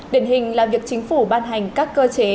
điển hình là việc chính phủ ban hành các cơ chế